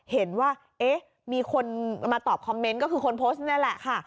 เห็นว่าเอ๊ะมีคนมาตอบคอมเมนต์ก็คือคนโพสต์นี่แหละค่ะ